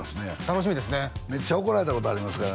楽しみですね